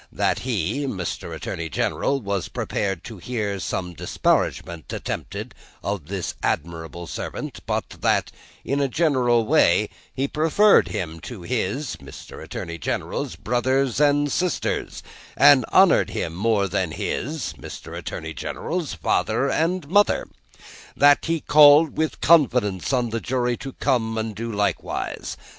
That, he (Mr. Attorney General) was prepared to hear some disparagement attempted of this admirable servant; but that, in a general way, he preferred him to his (Mr. Attorney General's) brothers and sisters, and honoured him more than his (Mr. Attorney General's) father and mother. That, he called with confidence on the jury to come and do likewise.